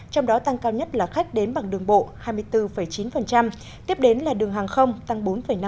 trong đó tăng cao nhất là khách đến bằng đường bộ hai mươi bốn chín tiếp đến là đường hàng không tăng bốn năm